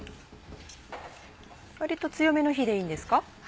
割と強めの火でいいんですか？